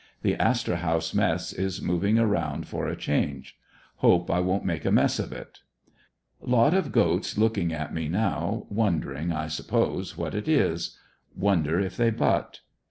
The "Astor House Mess" is moving around for a change; hope I won't make a mess of it. Lot of goats looking at me now, wondering, I suppose, what it is. Wonder if they butt?